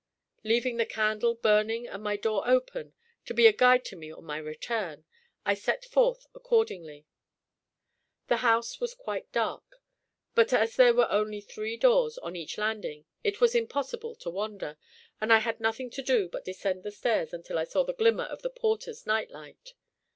Leaving the candle burning and my door open, to be a guide to me on my return, I set forth accordingly. The house was quite dark; but as there were only the three doors on each landing, it was impossible to wander, and I had nothing to do but descend the stairs until I saw the glimmer of the porter's night light.